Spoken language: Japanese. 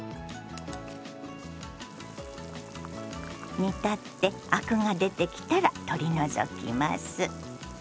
煮立ってアクが出てきたら取り除きます。